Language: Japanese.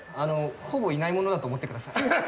ほぼいないものだと思って下さい。